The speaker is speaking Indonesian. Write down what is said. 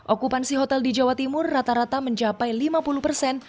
okupansi hotel di jawa timur rata rata mencapai lima puluh persen